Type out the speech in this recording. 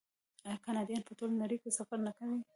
آیا کاناډایان په ټوله نړۍ کې سفر نه کوي؟